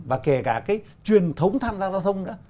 và kể cả cái truyền thống tham gia giao thông nữa